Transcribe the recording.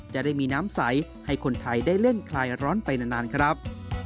จะได้มีน้ำใสให้คนไทยได้เล่นคลายร้อนไปนานครับ